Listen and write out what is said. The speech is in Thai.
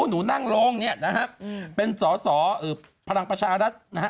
หนูนั่งลงเนี่ยนะฮะเป็นสอสอพลังประชารัฐนะฮะ